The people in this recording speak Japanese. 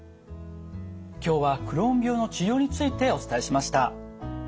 今日はクローン病の治療についてお伝えしました。